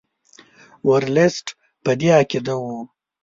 ورلسټ په دې عقیده وو.